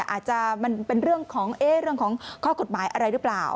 อาจจะเป็นเรื่องของข้อกฎหมายอะไรหรือเปล่า